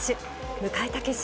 迎えた決勝。